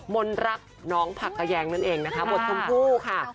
นรักน้องผักกะแยงนั่นเองนะคะบทชมพู่ค่ะ